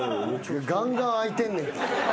ガンガン開いてんねん。